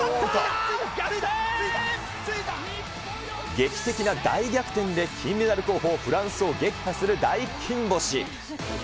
劇的な大逆転で、金メダル候補、フランスを撃破する大金星。